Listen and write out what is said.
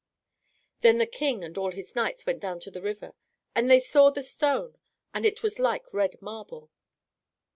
Then the King and all his knights went down to the river, and they saw the stone, and it was like red marble.